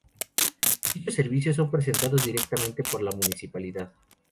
Dichos servicios son prestados directamente por la Municipalidad.